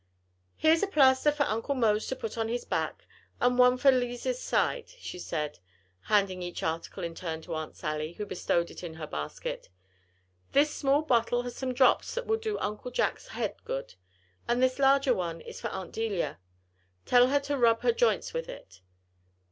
"Here's a plaster for Uncle Mose to put on his back, and one for Lize's side," she said, handing each article in turn to Aunt Sally, who bestowed it in her basket. "This small bottle has some drops that will do Uncle Jack's head good; and this larger one is for Aunt Delia. Tell her to rub her joints with it.